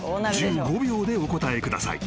１５秒でお答えください］